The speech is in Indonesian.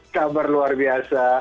kabar luar biasa